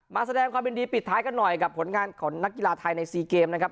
มาแสดงความยินดีปิดท้ายกันหน่อยกับผลงานของนักกีฬาไทยใน๔เกมนะครับ